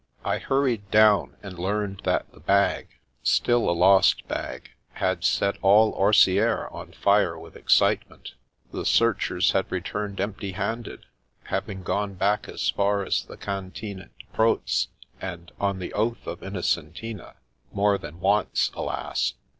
I hurried down, and learned that the bag — still a lost bag — ^had set all Orsieres on fire with excite ment. The s^rchers had returned empty handed, having gone back as far as the Cantine de Proz ; and on the oath of Innocentina (more than one, alas!)